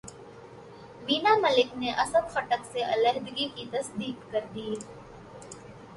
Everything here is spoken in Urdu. وینا ملک نے اسد خٹک سے علیحدگی کی تصدیق کردی